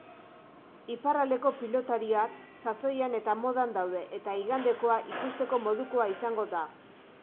Iparraldeko pilotariak sasoian eta modan daude eta igandekoa ikusteko modukoa izango da.